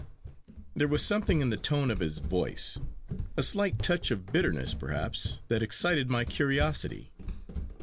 There was something in the tone of his voice, a slight touch of bitterness perhaps, that excited my curiosity.